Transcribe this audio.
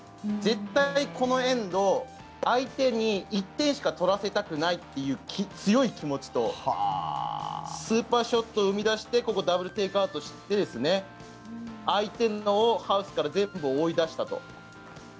絶対にこのエンド相手に１点しか取らせたくないという強い気持ちとスーパーショットを出してここ、ダブル・テイクアウトして相手のをハウスから全部追い出したと。